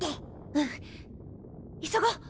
うん急ごう。